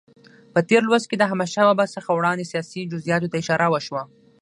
په تېر لوست کې د احمدشاه بابا څخه وړاندې سیاسي جزئیاتو ته اشاره وشوه.